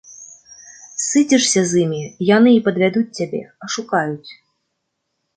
Сыдзешся з імі, яны і падвядуць цябе, ашукаюць.